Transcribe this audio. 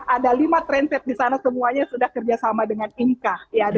ada lima transit di sana semuanya sudah kerjasama dengan inka